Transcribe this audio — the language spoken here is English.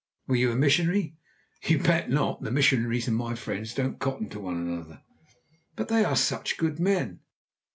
"Were you a missionary?" "You bet not. The missionaries and my friends don't cotton to one another." "But they are such good men!"